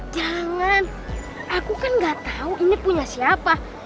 jangan aku kan gak tahu ini punya siapa